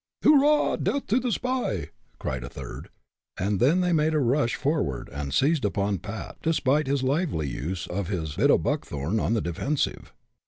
"Hurrah! Death to the spy!" cried a third, and then they made a rush forward and seized upon Pat, despite his lively use of his "bit o' buckthorn" on the defensive.